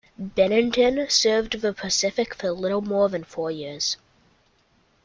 "Bennington" served In the Pacific for a little more than four years.